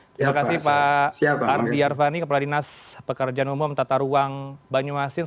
terima kasih pak ardi arvani kepala dinas pekerjaan umum tata ruang banyuasin